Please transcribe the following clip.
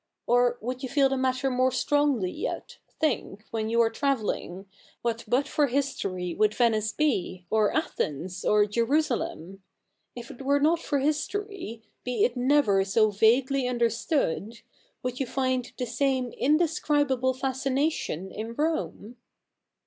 Or, would you feel the matter more strongly yet, think, when you are travelling, what but fc^r history would Venice be, or Athens, or Jerusalem ? If it were not for history, be it never so vaguely understood, would you find the same indescribable fascination in Rome?'